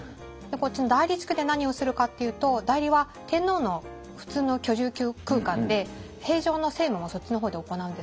こっちの内裏地区で何をするかっていうと内裏は天皇の普通の居住空間で平常の政務もそっちの方で行うんですね。